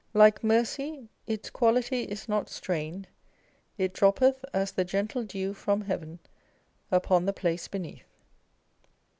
Like mercy, " its quality is not strained : it â€¢droppeth as the gentle dew from heaven upon the place beneath